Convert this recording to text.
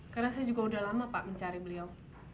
karena saya juga udah lama pak mencari beliau